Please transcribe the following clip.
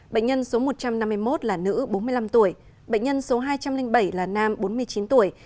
bệnh nhân số một trăm năm mươi một là nữ bốn mươi năm tuổi bệnh nhân số hai trăm linh bảy là nam bốn mươi chín tuổi